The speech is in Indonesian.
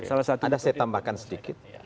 ada saya tambahkan sedikit